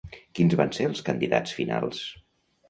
Quins van ser els candidats finals?